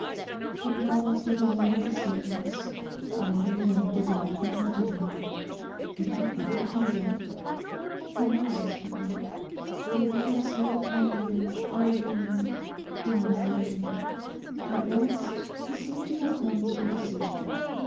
He paused at the head of the staircase. And even then the doubt confronted him: Would he ever come back? Who knows? he thought; and again stood pondering, arguing, denying. At last he seemed to have come to a decision.